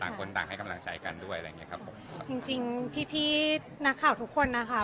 คนต่างให้กำลังใจกันด้วยอะไรอย่างเงี้ครับผมจริงจริงพี่พี่นักข่าวทุกคนนะคะ